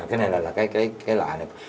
cái này là cái loại này